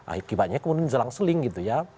akibatnya kemudian jelang seling gitu ya